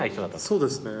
そうですね。